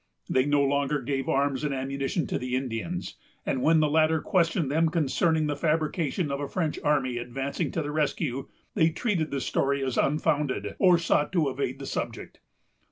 They no longer gave arms and ammunition to the Indians; and when the latter questioned them concerning the fabrication of a French army advancing to the rescue, they treated the story as unfounded, or sought to evade the subject.